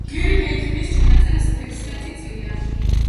გერიბეი ქმნის ჩანაწერებს თექვსმეტი წლიდან.